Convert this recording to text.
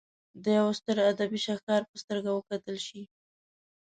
د یوه ستر ادبي شهکار په سترګه وکتل شي.